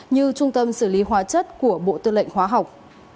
như trung tâm xử lý hóa chất của bộ tư lệnh hóa học